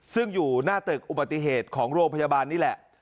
ซึ่งอยู่หน้าตึกอุบัติเหตุของโรงพยาบาลนี่แหละ